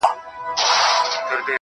د ميني ننداره ده، د مذهب خبره نه ده,